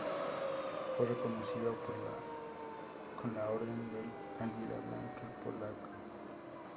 Fue reconocido con la Orden del Águila Blanca polaca.